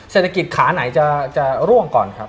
เศรษฐกิจขาไหนจะร่วงก่อนครับ